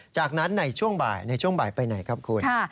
จากนั้นในช่วงบ่ายไปไหนครับคุณ